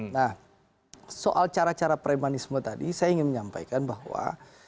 nah soal cara cara premanisme tadi saya ingin menyampaikan bahwa